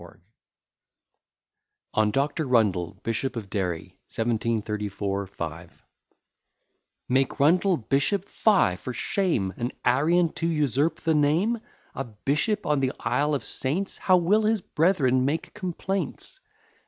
_] ON DR. RUNDLE, BISHOP OF DERRY 1734 5 Make Rundle bishop! fie for shame! An Arian to usurp the name! A bishop in the isle of saints! How will his brethren make complaints!